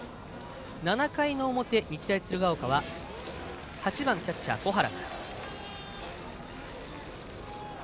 ７回の表、日大鶴ヶ丘は８番キャッチャー、小原。